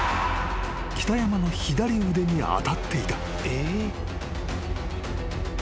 ［北山の左腕に当たっていた］